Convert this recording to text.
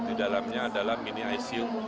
di dalamnya adalah mini icu